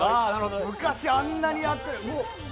昔、あんなにやって。